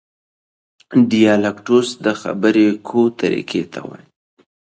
ډیالکټوس د خبري کوو طریقې ته وایي.